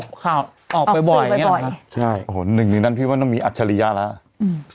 ออกข่าวออกสื่อบ่อยบ่อยใช่โอ้โหหนึ่งหนึ่งนั้นพี่ว่าต้องมีอัจฉริยะแล้วอืม